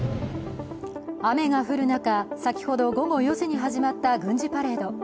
雨が降る中、先ほど午後４時に始まった軍事パレード。